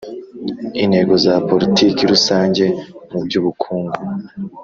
intego za politiki rusange mu by'ubukungu